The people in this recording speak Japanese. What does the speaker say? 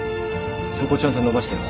そこちゃんと伸ばしてろ。